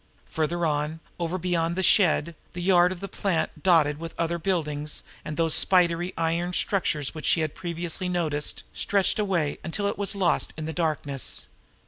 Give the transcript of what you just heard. Farther on, over beyond the shed, the yard of the plant, dotted with other buildings and those spidery iron structures which she had previously noticed, stretched away until it was lost in the darkness.